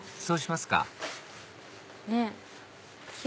そうしますかねっ。